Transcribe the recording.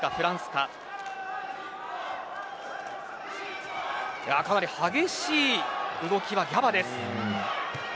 かなり激しい動きはギャバです。